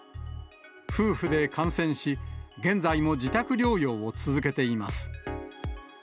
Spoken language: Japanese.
夫婦で感染し、現在も自宅療養を続けています。